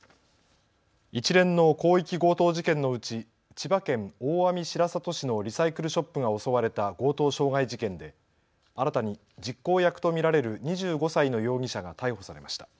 一連の広域強盗事件のうち千葉県大網白里市のリサイクルショップが襲われた強盗傷害事件で新たに実行役と見られる２５歳の容疑者が逮捕されました。